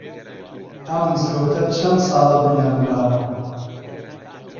ئەم مزگەوتە چەند ساڵە بنیات نراوە؟